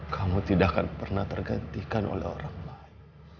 kamu tidak akan pernah tergantikan oleh orang lain